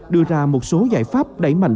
đưa ra một số giải pháp đẩy mạnh